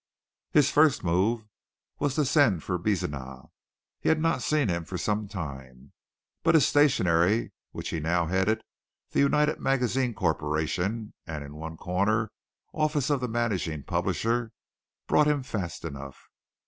His first move was to send for Bezenah. He had not seen him for some time, but his stationery which he now had headed "The United Magazines Corporation," and in one corner "Office of the Managing Publisher," brought him fast enough.